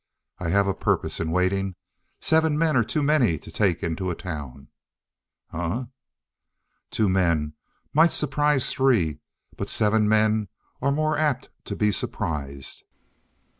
"I had a purpose in waiting. Seven men are too many to take into a town." "Eh?" "Two men might surprise three. But seven men are more apt to be surprised."